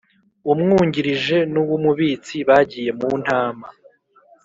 Umwungirije N Uw Umubitsi bagiye muntama